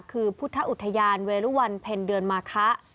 คือพุทธอุทยานเวรุวันเพ็ญเดือนมาคะ